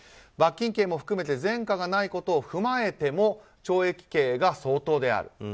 罰金刑も含めて前科がないことを踏まえても懲役刑が相当である。